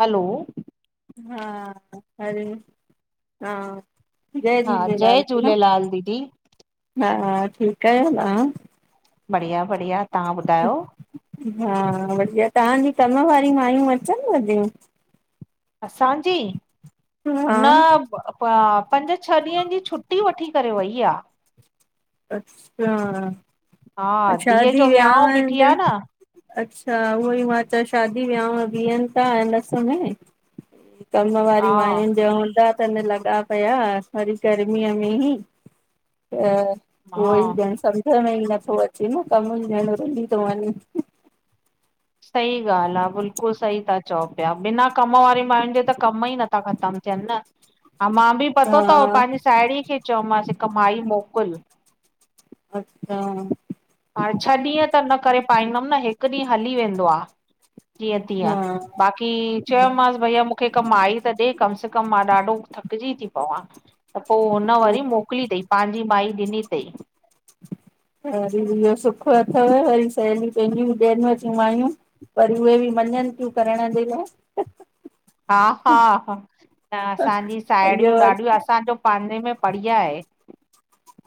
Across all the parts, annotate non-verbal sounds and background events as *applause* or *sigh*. हलो हा हरिओम हा जय हा झूलेलाल जय भेण झूलेलाल दीदी हा ठीकु आहियो तव्हां? बढ़िया बढ़िया तव्हां ॿुधायो? हा बढ़िया तव्हांजी कम वारी मायूं अचनिव तियूं? असांजी, हा न पंज छह ॾींहंनि जी छुट्टी वठी करे वई आहे। अच्छा, हा धीअ शादी जो वियांउ विहावन बीठी त आ न अच्छा, उहो ई मां चयो शादी वियाव बीहनि था हिन समय कम वारी हा मायुनि जा हूंदा तन लॻा पिया वरी गर्मीअ में ई त उहो हा ई ॼण सम्झ में ई नथो अचे न कमु ई ॼण रुली थो वञे। सही ॻाल्हि आ बिल्कुलु सही ता चओ पिया बिना कम वारी माइनि जे त कम ई नथा ख़तम थियनि न हा मां बि पतो तव हा पंहिंजी साहेड़ी खे चयोमांसि हिक माई मोकिल अचछा हाणे छह ॾींहं त न करे पाईंदमि न हिकु ॾींहुं हली वेंदो आ जीअ तिय हा हा बाक़ी चयोमाँस भैया मूंखे हिक माई त ॾे कम से कम मां ॾाढो थकिजी थी पवां त पोइ हुन वरी हम्म मोकिली अथई पंहिंजी माई ॾिनी अथई। वरी बी इहो सुख अथव वरी सहेलीयूं पंहिंजियूं ॾियनवतियूं मायूं। वरी उहे बि मञनि थियूं करण जे लाइ। हा हा हा न असांजी इहो साहेड़ियूं वरी ॾाढियूं असांजो पंहिंजे में बढ़िया आहे।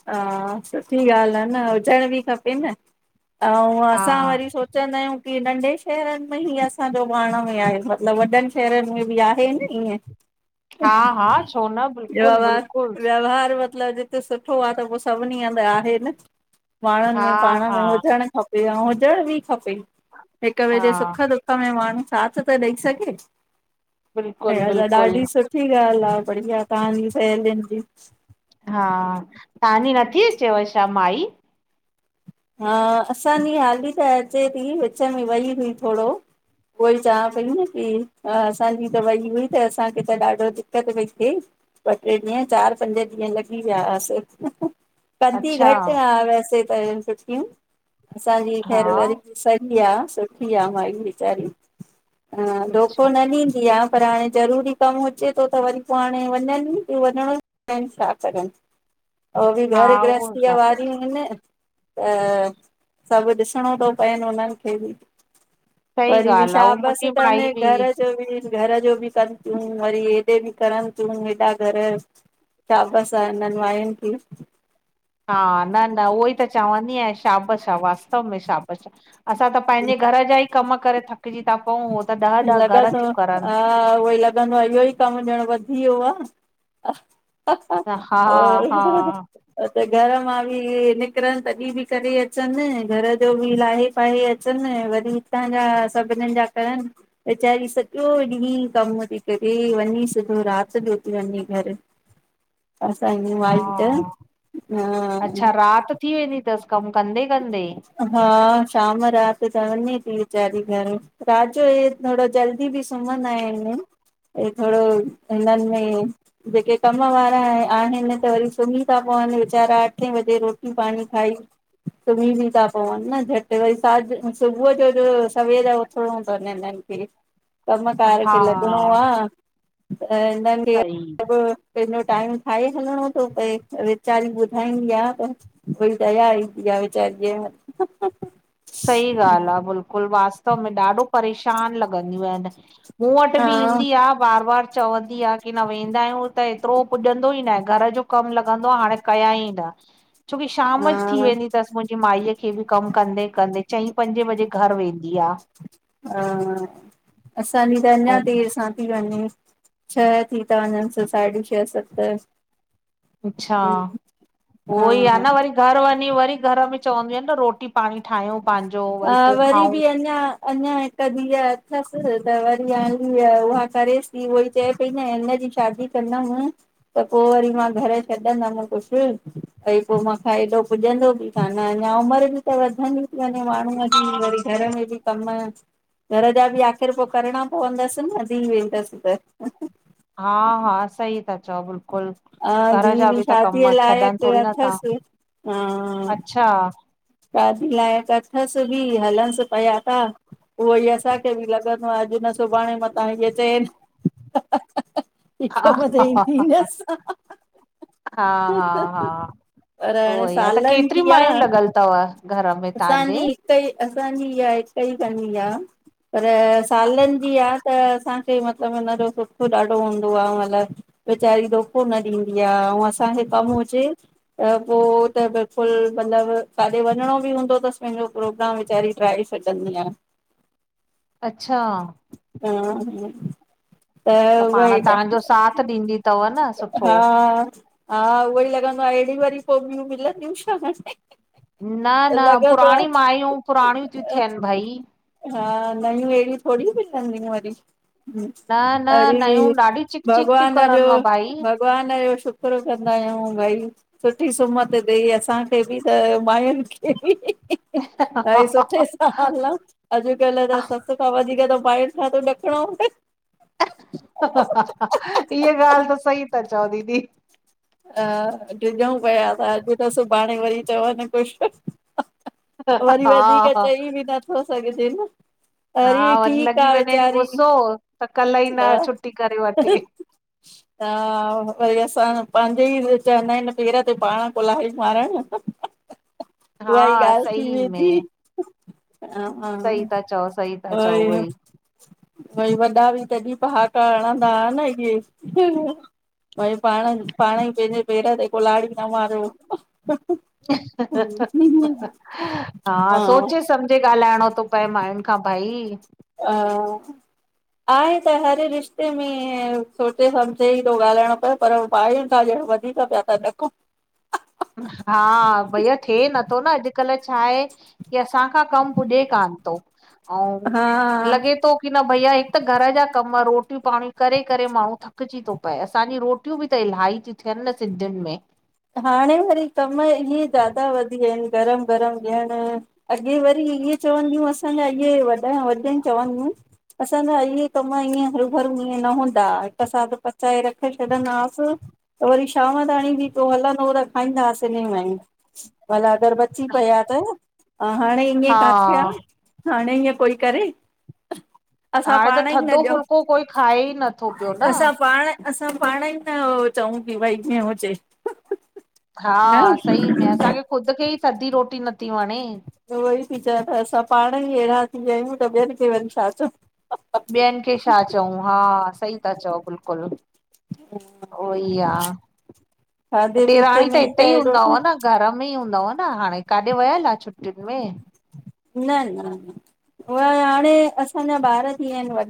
हा सुठी ॻाल्हि आहे न हुजण बि खपे न ऐं हा असां वरी चवंदा आहियूं की नंढे शहरनि में ई असांजो पाण में आहे मतिलबु वॾनि शहरनि में बि आहे न ईअं। हा हा छो न बिल्कुलु व्यवहार बिल्कुलु व्यवहार मतिलब सुठो आहे त पो सभिनी हंधि आहे न, माण्हुनि हा में पाण हा में हुजणु खपे। ऐं हुजण बि खपे। हिकु ॿिए हा जे सुख ह में माण्हू साथ त ॾेई सघे। बिल्कुलु अहिड़ी त बिल्कुलु ॾाढी सुठी सुठी ॻाल आहे बढ़िया, तव्हांजी सह जी हा तव्हांजी नथी अचेव छा माई? हा असांजी हाली त अचे थी, विच में वई हुई थोरो उहोई चवां पई न की असांजी तवई हुई त असांखे त ॾाढो दिक़त पई थिए। ॿ टे ॾींहं। चारि, पंज ॾींहं लॻी विया हस। कंधी अच्छा घटि आहे वैसे त छुटठियूं असांजी हा ख़ैर वर सही आहे सुठी आहे माई वीचारी अ धोखो अच्छा न ॾींदी आ। पर हाणे ज़रूरी कमु हुजेे थो त वरी पोइ हाणे वञनि वञिणो छा कनि, बि हा घरु उहो गृहस्थीअ वारियूं आहिनि। त सभु ॾिसणो थो पएनि उन्हनि खे बि। सही वरी बि ॻाल्हि आहे उहा शाबस बसि मुंहिंजी तन माई बि घर घर जो बि कनि थियूं, वरी हेॾे बि कनि तियूं हेॾा घर शाबस आ हिनन मायुन के हा। न न, उहो ई त चवंदी आहेयां शाबश आ वास्तव में शाबश आ। असां त पंहिंजे घर जा ई कम करे थकिजी था पऊ लॻंदो हा, उहो ई लॻंदो आहे इहो ई कम जण वधी वियो आ, त हा हा और त घर मां बि निकरनि तॾहिं बि करे अचनि, घर जो बि लाहे पाहे अ चन, वरी हितां जा सभिनी जा करनि वेचारी सॼो ॾींहुं कम थी करे, वञी सधो राति जो थी वञे घरु असांजी हा माइट त हा अच्छा राति थी वेंदी अथसि कमु कंदे कंदे हा शाम रात चवंदी थी वेचारी घर, रातजो हे थोरो जल्दी बि सुम्हंदा आहिनि, थोरो हिननि में जेके कम वारा आहिनि त वरी सुम्ही था पवनि वीचारा अठे बजे रोटी पाणी खाई सुम बि था पवनि न, झटि वरी सां सुबुह जो जो सवेर उथणो अथनि हिननि खे कमकार हा खे लॻणो आहे त हिननि खे सही सभ पंहिंजो टाइम ठाहे हलिणो थो पए। वीचारी ॿुधाईंदी आहे त भई दया ईंदी आ प आहे वेचार सही ॻाल्हि आहे बिल्कुलु वास्तव में ॾाढो परेशान लॻंदियूं आहिनि। मूं वटि बि हा ईंदी आ। बार बार चवंदी आ, की न वेंदा आहियूं त एतिरो पुॼंदो ई न आहे घर जो कम लॻंदो आहे हाणे कया ई न। छो की शाम जो थी हा वेंदी अथसि मुंहिंजी माई खे बि कमु कंदे। चईं पंजे बजे घर वेंदी आ। हा असांजी त अञा ऐं देरि सां थी वञे छह थी था वञनि स साढी छह सत अच्छा, हा उहो ई आ न वरी घर वञी वरी घर में चवंदी आहिनि न रोटी पाणी ठाहियूं पंहिंजो हा वरी पोइ खाऊं बि अञा अञा हिकु धीह अथसि त वरी आ उहा करेस उह चए पई न इजी शादी कंदमि त पोइ वरी मां घरु छॾंदमि कुझु भई पो माखां एॾो पुॼंदो बि कान, अञा उमर बि त वधंदी ती वञे। त, माण्हूं अची, वरी घर में बि कम। घर जा बि आख़िर पो करणा पवंदस न, धी वेंदस त। हा हा, सही ता चौ, बिल् कुल, हा घर धीउ जा बि त शादीअ कम, छॾन लाइक़ थोरी नथा, अथसि हा अच्छा! शादी लाइक अथस बि, हलन्स पया था। उहोई असांखे बि लॻंदो आ, अॼ न सुभाणे मतां हीअ चएन। हिक हा ॿ त हा ईंदी, असां हा हा हा पर, सालन जी आ। तव। असांजी, हिकई असांजी इहा हिक ई कंदी आ। पर सालन जी आ, त असांखे मतलब हुनजो सुख ॾाढो हूंदो आ, मतलब। वेचारी धोखो न ॾींदी आ, अऊं असांखे कम हुजे त पो त, बिल्कुल मतलब काथे वञणो बि हूंदो तस, पैंजो प्रोग्राम विचारी ड्राहे छॾंदी आ। अच्छा हा त, पाण उहई त, तव्हांजो साथ ॾींदी अथव न सुठो। हा हा, उहोई लॻंदो आ, एड़ी वरी पो ॿयूं मिलंदयूं छा? न न, लॻंदो आ पुराणी मायूं पुराणयूं त्यूं थ्यन भाई। हा, नयूं एढ़यूं थोरी मिलंदयूं वरी। न न वरी नयूं बि ॾाढी चिक चिक थियूं भॻवान जो करनि मां भाई। भक् भॻवान जो, शुकुरु कंदायूं भाई। सुठी सुमत ॾे, असांखे बि, त मायुन खे बि। भाई सुठे सां हलऊं। अॼकल्ह त ससु खां वधीक त, मांयुन खां तो ॾकणो पै। इहा ॻाल्ह त सही ता चौ, दीदी! अ ड्रिजूं पया त अॼ न सुभाणे वरी चवन कुछ? वरी वधीक हा हा चई बि नथो सघजे न। हा, अरे वरी ठीकु लॻी आहे वञेन वीचारी गुसो, त कल्ह ई न छुट्टी करे वठे। त, वरी असां पांजे ई चवंदा एन, पेर ते पाण कुल्हाड़ी मारण। उहाई हा ॻाल थी सही वेंदी। में हां हां, सही था चओ सही था चओ उहोई वरी वॾा बि कॾी पहाका हणंदा हा न, इहे। भई, पाण, पाण ई पैंजे पेर ते कुल्हाड़ी ता मार् हा, सोचे समझ सम्झे ॻाल्हाइणो तो पए मायुन खां भाई। हा आहे त हर रिश्ते में, सोचे सम्झे ई थो ॻाल्हाइणो पै। पर, मांयुन खां ॼण वधीक प्या ता ॾकूं। हा, भइया थे नथो न, अॼकल्ह छाहे। की असांखां कम पुॼे कान तो, अऊं हा लॻे तो की न भइया, हिक त घर जा कम, रोटयूं पाणी करे, करे माण्हूं थकजी तो पए, असांजी रोटी रोटयूं बि त इलाही त्यूं थ्यन न सिंधियुन में। हाणे वरी कम इहे ज्यादा वधी विया आहिन। गरम-गरम ॾियण अॻे वरी इहे चवंदियूं, असांजा इहे वॾा, वॾनि चवंदियूं। असांज इ कम ईअं हरू-भरू ईअं न हूंदा, हिकु साथ पचाए रख छॾंदासीं। त वरी शाम ताणी बि पोइ हलंदो, त खाईंदा आसिन एन में ही। भला घरि बची पिया त, हाणे ईअ हा किथे आ? हाणे इअं कोई करे? असां हाणे त पाण ई न थधो ॾियूं। फुल्को कोई खाए ई नथो पियो न असां पाण असां पाण ई न चऊं, की भई ईअं हुजे। न हां, सही में, असांखे ख़ुद खे ई थधी रोटी नथी वणे। त उहो ई थी चये त, असां पाण ई अहिड़ा थी वया आहियूं। त ॿियन खे वरी छा चऊ। ॿयन खे छा चऊं? हां, सही था चओ बिल्कुल। हां *inaudible* उहो ई आ, खाधे पीते ॾेराणी में त हिते ई एॾो छा हूंदव न? घर में ई हूंदव न। हाणे काॾे वयल आ छुटियुन में? न-न, उ हाणे, असांजा ॿार थी वया आहिन वॾा।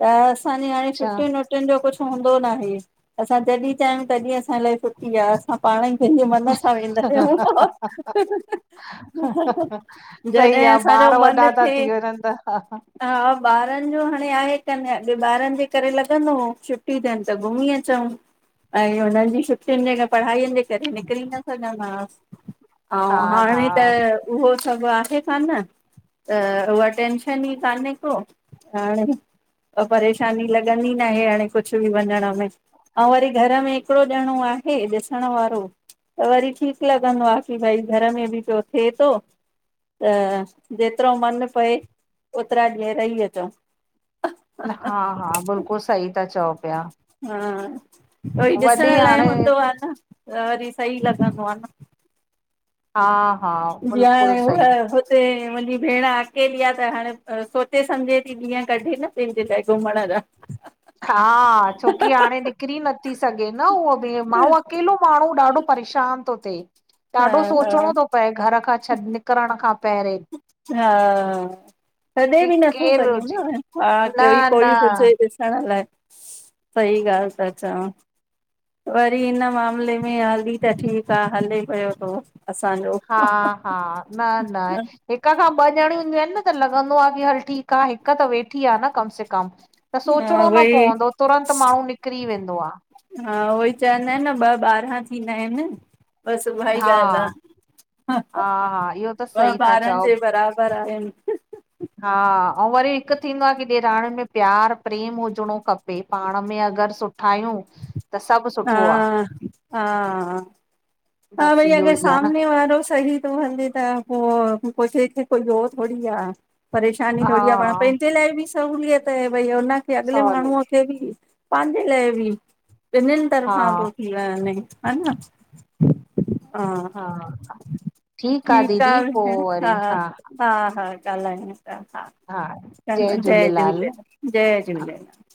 त असांजी हाणे अच्छा छुटियूं न छटियुन जो कुछ हूंदो ना आहे। असां जॾहिं चाहियूं, तॾहिं असां लाइ छुटी आहे। असां पाण ई पहिंजे मन सां वेंदा आहयूं। *unintelligible* सही जॾहिं आ असांजो ॿार मन वॾा था थिए। थी वञनि त हां, ॿारन जो हाणे आहे कान। अगै ॿारन जे करे लॻंदो हो। छुट छुट्टी थथे त घुमी अचूं। ऐं हुनन जी छुट्टियुन जे पढ़ाईन जे करे निकिरी न सघंदां हास। अऊ हा हा हाणे त, उहो सभ आहे कान्ह। त, उहा टेंशन ई कान्हे को हाणे। परेशानी लॻंदी ना आहे। हाणे कुछ बि वञण में। अऊ वरी घर में हिकड़ो डणो आहे, ॾिसणु वारो। त वरी ठीक लॻंदो आ, की भाई घर में बि पयो थेतो। त जेतरो मन पए, ओतरा ॾींहं रही अचो। हां-हां, बिल्कुल सही था चओ पया। हां, वरी ॾिसण लाइ हाणे हूंदो आ न। त वरी सही लॻंदो आ न। हां-हां। ाण उ *inaudible* उते मुंहिंजी भेण अकेली आ। त हाणे सोचे सम्झे थी ॾींहं कढे न, पंहिंजे लाइ घुमण जा। *inaudible* हां, छोकी हाणे निकरी नथी सघे न? उहा बि मअ अकेलो माण्हू ॾाढो परेशान थो थिए। हा ॾाढो हा सोचणो थो पए घर खां छॾ। करण खां पहररे। हां, तॾहिं छाडा की बि नथो केरु सघे हुजे न। हां, न कोई-कोई न हुजे, डिस ण लाइ, सही ॻाल्ह ता चवां। वरी हिन मामले में हाली त ठीक आ हले पयो तो। हां-हां। न-न, हिक खां ॿ डणियूं हुदियूं ईन। त लॻंदो आ की हल ठीकु आ हिक त वेठी आ न कम से कम त हा सोचणो न वई पवंदो आहे। तुरंत माण्हू निकिरी वेंदो आ। हां, उहो ई चवंदा आहिन न ॿ ॿारा थींदा आहिन बस उहा ई हा ॻाल्ह आ। हा *unintelligible* हा इहो त सही ॿ ता ॿारन चओ जे बराबर आहिन। हा वरी हिक थींदो आ की ॾेराणीण में प्यार प्रेम हुजणो खपे पाण में अगर सुठो। सुठा आयूं त सॿ हा सुठो आ। हा हा बस भई इहो अगर ई आ न सामने वारो सही तो हले। त पो केंखे कोई हो थोडी आ परेशानी थोडी आ पाण हा पेंॼे लाइ ॿि। सहुलियत ह भई हुन खे अॻले सवली माणूअ खे ॿि पांॼे लाइ ॿि ॿिनन। हा तरफ़ां तो थी वनै हना? हा ठीकु ठीक आ दीदी पो भैण वरी हा हा-हा-हा। ॻालखयूं तान हा चॻो जय झूलेलाल, जय झूलेलाल।